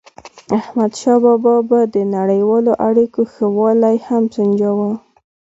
احمدشاه بابا به د نړیوالو اړیکو ښه والی هم سنجاوو.